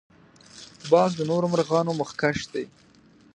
باز له نورو مرغانو مخکښ دی